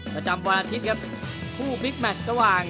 ประจำวันอาทิตย์ครับคู่บิ๊กแมชสว่าง